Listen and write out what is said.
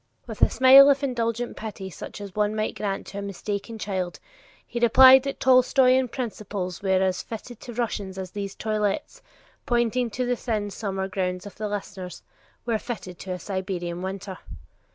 With a smile of indulgent pity such as one might grant to a mistaken child, he replied that such Tolstoyan principles were as fitted to Russia as "these toilettes," pointing to the thin summer gowns of his listeners, "were fitted to a Siberian winter."